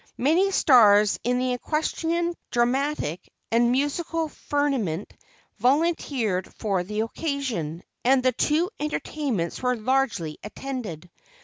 Many stars in the Equestrian, Dramatic and Musical firmament volunteered for the occasion, and the two entertainments were largely attended.